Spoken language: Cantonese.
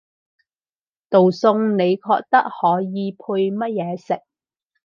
道餸你覺得可以配乜嘢食？